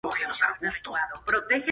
Acepta donaciones y legados sin cargo.